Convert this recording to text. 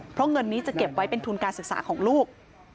เพราะเงินนี้จะเก็บไว้เป็นทุนการศึกษาของลูก